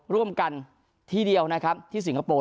ร่วมกันที่เดียวนะครับที่สิงคโปร์